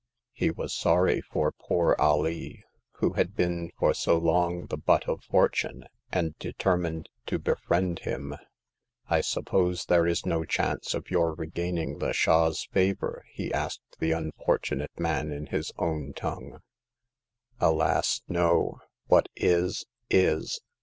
He was sorry for poor Alee, who had been for so long the butt of Fortune, and determined to befriend The Tenth Customer. 265 I suppose there is no chance of your regain ing the Shah's favor ?" he asked the unfortunate man in his own tongue. "Alas ! no. What is, is.